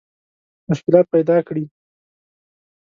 مشکلات پیدا کړي.